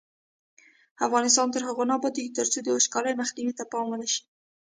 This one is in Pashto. افغانستان تر هغو نه ابادیږي، ترڅو د وچکالۍ مخنیوي ته پام ونشي.